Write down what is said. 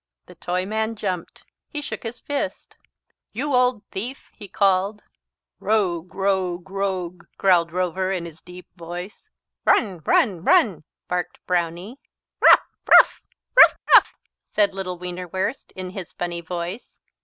The Toyman jumped. He shook his fist. "You old thief!" he called. "Rogue, rogue, rogue!" growled Rover in his deep voice. "Run, run, run!" barked Brownie. "Rough, rough rough, rough!" said little Wienerwurst in his funny voice.